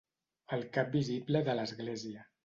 El cap visible de l'Església.